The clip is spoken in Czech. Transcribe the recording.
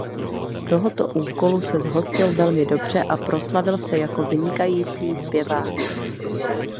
Tohoto úkolu se zhostil velmi dobře a proslavil se jako vynikající zpěvák.